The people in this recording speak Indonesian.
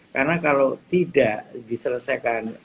karena kalau tidak diselesaikan